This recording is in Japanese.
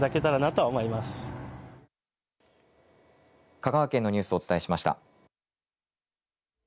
香川県のニュースをお伝えしました。